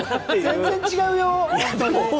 全然違うよー！